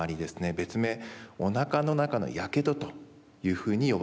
別名「おなかの中のやけど」というふうに呼ばれております。